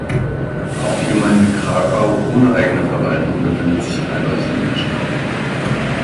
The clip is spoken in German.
Auch die Gemeinde Krakau ohne eigene Verwaltung befindet sich teilweise in der Stadt.